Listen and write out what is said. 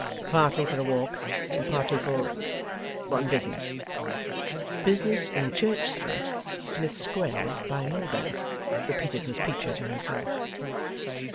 'Partly for a walk, and partly for on business.' 'Business in Church Street, Smith Square, by Mill Bank,' repeated Miss Peecher to herself.